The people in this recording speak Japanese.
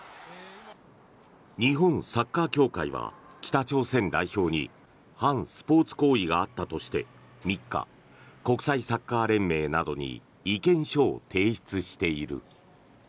日本サッカー協会は北朝鮮代表に反スポーツ行為があったとして３日、国際サッカー連盟などに意見書を提出している。